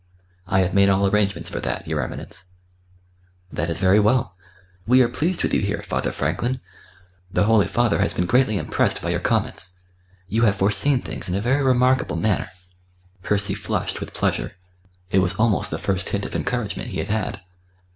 "I have made all arrangements for that, your Eminence." "That is very well.... We are pleased with you here, Father Franklin. The Holy Father has been greatly impressed by your comments. You have foreseen things in a very remarkable manner." Percy flushed with pleasure. It was almost the first hint of encouragement he had had.